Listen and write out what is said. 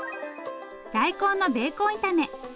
大根のベーコン炒め。